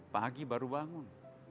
pagi baru bangun